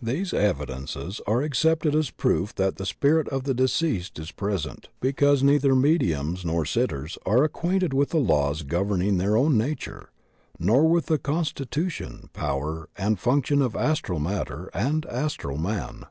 These evidences are accepted as proof that the spirit of the deceased is present, because neither medi ASTRAL SHELLS AND SPIRITUALISM 43 urns nor sitters are acquainted with the laws governing their own nature, nor with the constitution, power, and function of astral matter and astral man.